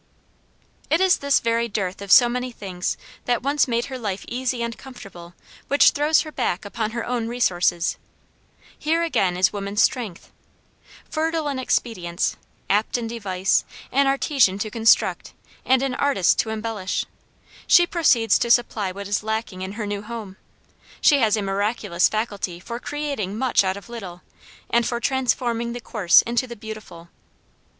It is this very dearth of so many things that once made her life easy and comfortable which throws her back upon her own resources. Here again is woman's strength. Fertile in expedients, apt in device, an artisan to construct and an artist to embellish, she proceeds to supply what is lacking in her new home. She has a miraculous faculty for creating much out of little, and for transforming the coarse into the beautiful.